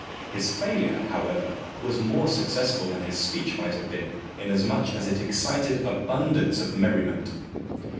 His failure, how ever, was more successful than his speech might have been, inasmuch as it excited abundance of merriment.